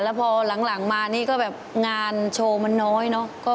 แล้วพอหลังมานี่ก็แบบงานโชว์มันน้อยเนอะ